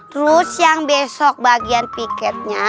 terus yang besok bagian piketnya